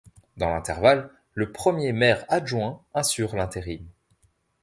Dans l'intervalle, le premier maire-adjoint assure l'intérim.